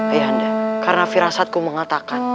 ayah anda karena firasatku mengatakan